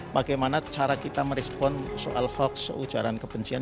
bagaimana cara kita merespon soal hoax ujaran kebencian